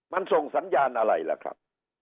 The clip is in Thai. มันส่งสัญญาณอะไรล่ะครับ